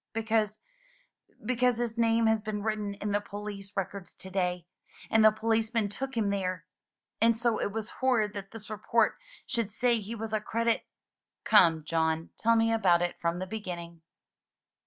"Because — ^because his name has been written in the police records today, and the policeman took him there, and so it was horrid that this report should say he was a credit" — "Come, John, tell me about it from the beginning."